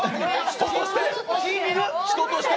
人として！